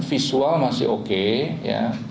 visual masih oke ya